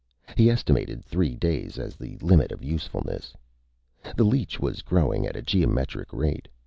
He estimated three days as the limit of usefulness. The leech was growing at a geometric rate.